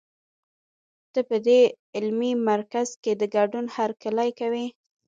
ته په دې علمي مرکز کې د ګډون هرکلی کوي.